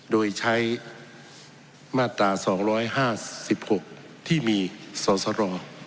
โดยใช้มาตราสองร้อยห้าสิบหกที่มีสรสร